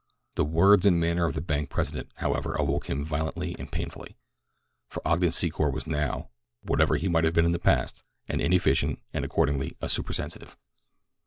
The words and manner of the bank president, however, awoke him violently and painfully, for Ogden Secor was now, whatever he might have been in the past, an inefficient, and, accordingly, a supersensitive.